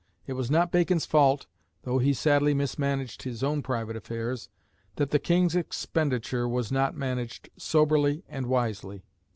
It was not Bacon's fault, though he sadly mismanaged his own private affairs, that the King's expenditure was not managed soberly and wisely.